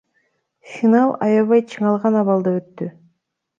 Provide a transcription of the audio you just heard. Финал аябай чыңалган абалда өттү.